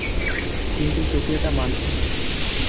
কিন্তু তোকে এটা মানতে হবে।